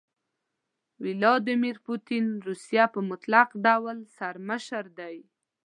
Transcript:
ويلاديمير پوتين روسيه په مطلق ډول سره مشر دي.